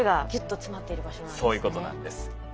そういうことなんです。